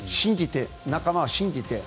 仲間を信じて。